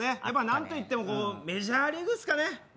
やっぱりなんと言ってもメジャーリーグですかね。